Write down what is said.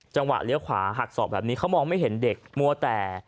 เลี้ยวขวาหักศอกแบบนี้เขามองไม่เห็นเด็กมัวแต่